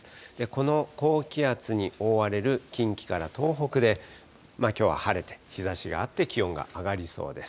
この高気圧に覆われる近畿から東北で、きょうは晴れて、日ざしがあって気温が上がりそうです。